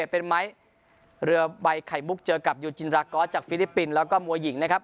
เป็นไม้เรือใบไข่มุกเจอกับยูจินรากอสจากฟิลิปปินส์แล้วก็มวยหญิงนะครับ